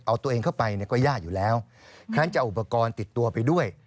เอาตัวเองเข้าไปเนี่ยก็ยากอยู่แล้วฉะนั้นจะเอาอุปกรณ์ติดตัวไปด้วย